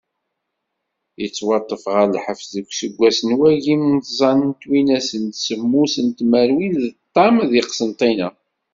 Yettwaṭṭef ɣer lḥebs deg useggas n wagim d tẓa twinas d semmus tmerwin d ṭam di Qsentina.